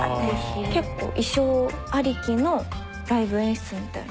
けっこう衣装ありきのライブ演出みたいに。